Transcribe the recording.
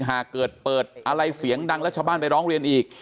หากเกิดเปิดอะไรเสียงดังแล้วชาวบ้านไปร้องเรียนอีก